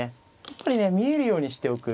やっぱりね見えるようにしておく。